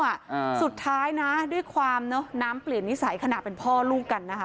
อ่าสุดท้ายนะด้วยความเนอะน้ำเปลี่ยนนิสัยขณะเป็นพ่อลูกกันนะคะ